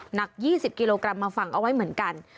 หนัก๒๐กิโลกรัมมาฝังเอาไว้เหมือนกัน